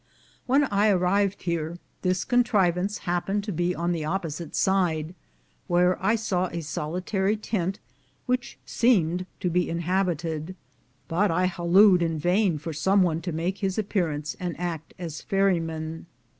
When I arrived here, this contrivance happened to be on the opposite side, where I saw a solitary tent which seemed to be inhabited, but I hallooed in vain for some one to make his appearance and act as ferryman.